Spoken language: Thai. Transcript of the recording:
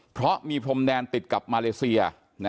เพราะมีพรมแดนติดกับมาเลเซีย